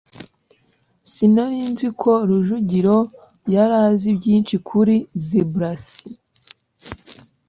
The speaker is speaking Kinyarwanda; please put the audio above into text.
sinari nzi ko rujugiro yari azi byinshi kuri zebrasi